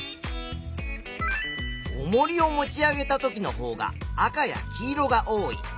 おもりを持ち上げたときのほうが赤や黄色が多い。